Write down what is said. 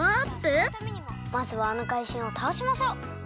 まずはあのかいじんをたおしましょう！